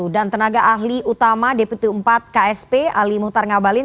dan tenaga ahli utama deputu empat ksp ali mutar ngabalin